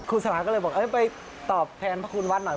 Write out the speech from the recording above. คุณสมาก็เลยบอกไปตอบแทนพระคุณวัดหน่อย